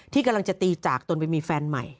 ที่กำลังจะตีจากตนไปมีแฟนใหม่